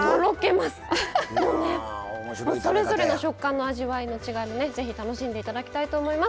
もうねそれぞれの食感の味わいの違いもね是非楽しんでいただきたいと思います。